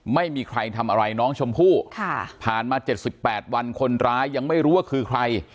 ไม่มีใครทำอะไรน้องชมพู่ผ่านมา๗๘วันคนร้ายยังไม่รู้ว่าคือใคร